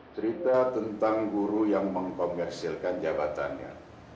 cerita tentang guru yang mengkomersilkan jabatannya